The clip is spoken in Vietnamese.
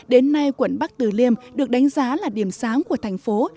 đến nay quận bắc từ liêm được đánh giá là điểm sáng của địa phương